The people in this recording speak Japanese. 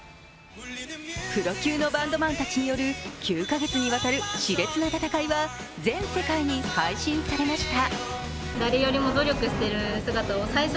プロ級のバンドマンたちによる９か月にわたるしれつな戦いは全世界に配信されました。